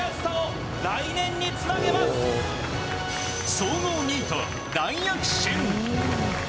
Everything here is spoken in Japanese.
総合２位と大躍進！